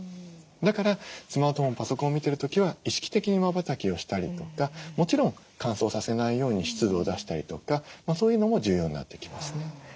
だからスマートフォンパソコンを見てる時は意識的にまばたきをしたりとかもちろん乾燥させないように湿度を出したりとかそういうのも重要になってきますね。